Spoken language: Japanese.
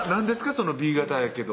その「Ｂ型やけど」